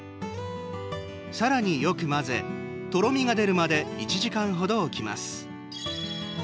さらによく混ぜとろみが出るまで１時間ほど置きます。